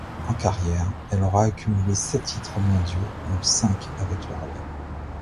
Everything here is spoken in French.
En carrière, elle aura accumulé sept titres mondiaux dont cinq avec le relais.